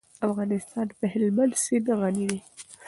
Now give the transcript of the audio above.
افغانستان په هلمند سیند غني دی.